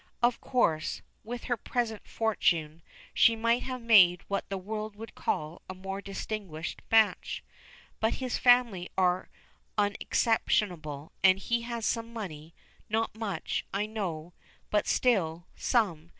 "Of course, with her present fortune, she might have made what the world would call a more distinguished match. But his family are unexceptionable, and he has some money not much, I know, but still, some.